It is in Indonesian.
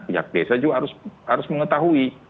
pihak desa juga harus mengetahui